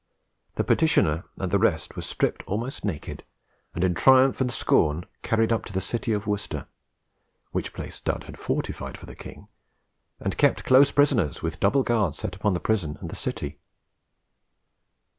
The petitioner and the rest were stripped almost naked, and in triumph and scorn carried up to the city of Worcester (which place Dud had fortified for the king), and kept close prisoners, with double guards set upon the prison and the city."